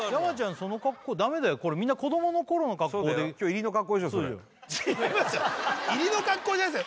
その格好ダメだよこれみんな子供の頃の格好で今日違いますよ